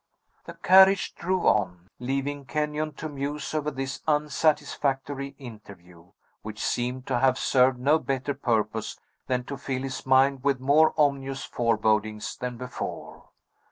The carriage drove on, leaving Kenyon to muse over this unsatisfactory interview, which seemed to have served no better purpose than to fill his mind with more ominous forebodings than before.